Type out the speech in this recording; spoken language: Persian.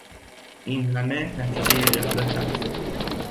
اینهمه نتیجهٔ غفلت است.